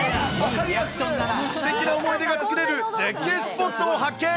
すてきな思い出が作れる絶景スポットを発見。